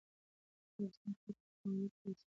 او ستا پت مي په مالت کي دی ساتلی